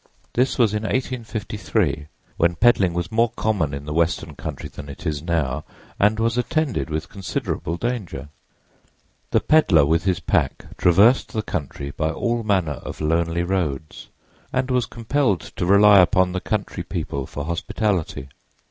This was in 1853, when peddling was more common in the Western country than it is now, and was attended with considerable danger. The peddler with his pack traversed the country by all manner of lonely roads, and was compelled to rely upon the country people for hospitality.